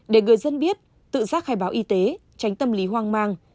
để người dân biết tự giác khai báo y tế tránh tâm lý hoang mang